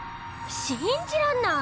信じらんない！